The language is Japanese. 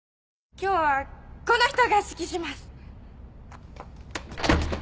今日はこの人が指揮します。